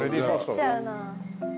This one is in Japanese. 迷っちゃうな。